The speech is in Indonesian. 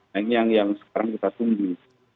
yang yang yang sekarang kita tunggu